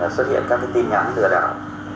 xuất hiện các tin nhắn lừa đảo